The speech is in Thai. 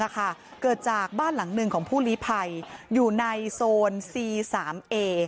เกิดจากบ้านหลังหนึ่งของผู้ลีภัยอยู่ในโซนซีสามเอ